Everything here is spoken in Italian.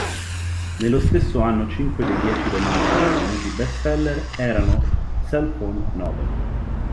Nello stesso anno cinque dei dieci romanzi divenuti best seller erano "cell phone novel".